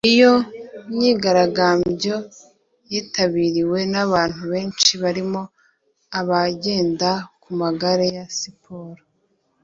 Iyo myigaragambyo yitabiriwe n’abantu benshi barimo abagenda ku magare ya siporo